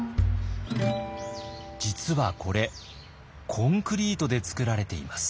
実はこれコンクリートで作られています。